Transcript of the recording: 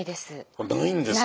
あないんですか。